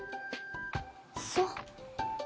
そう。